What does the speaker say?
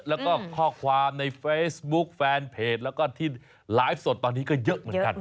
แล้วก็ข้อความในเฟซบุ๊คแฟนเพจแล้วก็ที่ไลฟ์สดตอนนี้ก็เยอะเหมือนกัน